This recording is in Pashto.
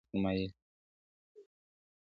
طبیب غوښي وې د چرګ ور فرمایلي ,